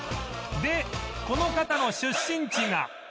でこの方の出身地が